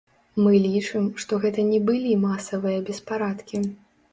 Мы лічым, што гэта не былі масавыя беспарадкі.